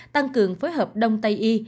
tăng cường phối hợp đông tay y